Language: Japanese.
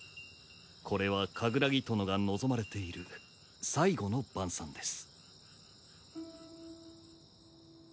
これはカグラギ殿が望まれている最後の晩餐です。